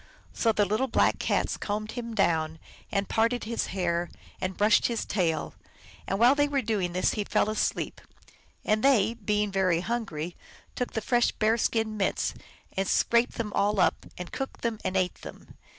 So the little Black Cats combed him down, and parted his hair, and brushed his tail, and while they were doing this he fell asleep ; and they, being very hungry, took the fresh bear skin mitts, and scraped them all up, and cooked and ate them.